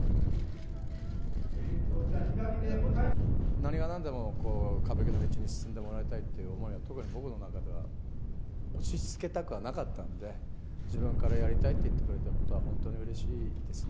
何がなんでも歌舞伎の道に進んでもらいたいという思いは、特に僕の中では押しつけたくはなかったんで、自分からやりたいっていってくれたことは、本当にうれしいですね。